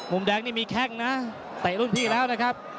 มุมแดงนี่มีแข้งนะเตะรุ่นพี่แล้วนะครับ